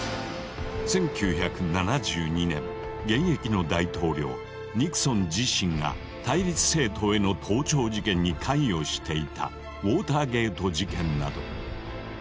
１９７２年現役の大統領ニクソン自身が対立政党への盗聴事件に関与していたウォーターゲート事件など。